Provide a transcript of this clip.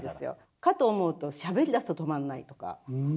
かと思うとしゃべりだすと止まんないとか。